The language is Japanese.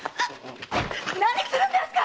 何するんですか！